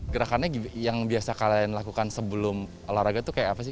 gerakannya yang biasa kalian lakukan sebelum olahraga itu kayak apa sih